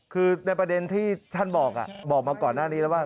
คือในประเด็นที่ท่านบอกมาก่อนหน้านี้แล้วว่า